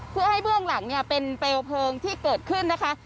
เพื่อให้เบื้องหลังเนี่ยเป็นเปลวเพลิงที่เกิดขึ้นนะคะ